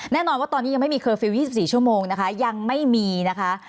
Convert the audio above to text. แน่นอนว่าตอนนี้ยังไม่มีเคอร์ฟิลล๒๔ชั่วโมงนะคะยังไม่มีนะคะ